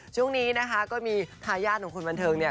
ช่วงนี้นะคะก็มีทายาทของคนบันเทิงเนี่ย